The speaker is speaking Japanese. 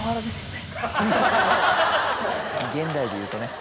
現代でいうとね。